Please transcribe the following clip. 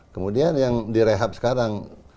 kemudian yang direhab sekarang